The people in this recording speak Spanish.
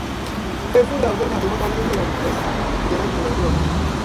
Fue fundador del Jardín botánico de Bucarest que lleva en su honor su nombre.